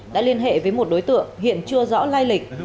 đã liên hệ với một đối tượng hiện chưa rõ lai lịch